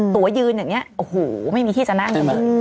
ตั๋วยืนอย่างนี้โอ้โหไม่มีที่จะนั่ง